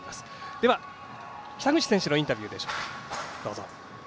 では北口選手のインタビューです。